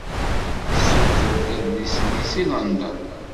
Tessuter-d adlis-nni seg London.